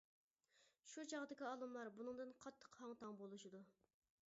شۇ چاغدىكى ئالىملار بۇنىڭدىن قاتتىق ھاڭ-تاڭ بولۇشىدۇ.